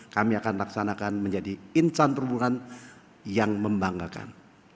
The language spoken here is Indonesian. kami akan laksanakan menjadi insan perhubungan yang membanggakan